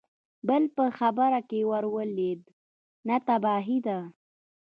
بل په خبره کې ور ولوېد: نه، تباهي ده!